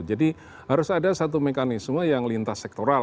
jadi harus ada satu mekanisme yang lintas sektoral